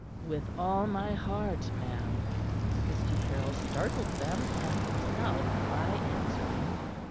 "With all my heart, ma'am," Mr. Caryll startled them and himself by answering.